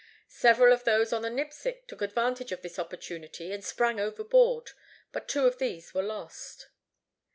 Several of those on the Nipsic took advantage of the opportunity and sprang overboard. But two of these were lost.